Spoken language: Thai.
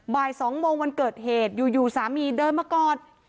บ่าย๒โมงวันเกิดเหตุอยู่สามีเดินมากอด